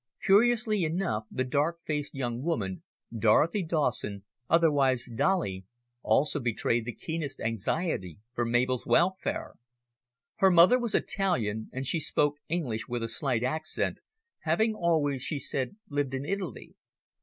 Curiously enough the dark faced young woman, Dorothy Dawson, otherwise Dolly, also betrayed the keenest anxiety for Mabel's welfare. Her mother was Italian, and she spoke English with a slight accent, having always, she said, lived in Italy.